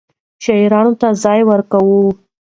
شاعرانو ته يې ځای ورکاوه.